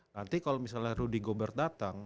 nanti kalau misalnya rudy gobert datang